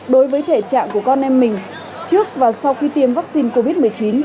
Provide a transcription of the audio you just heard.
đối với thể trạng của con em mình trước và sau khi tiêm vaccine covid một mươi chín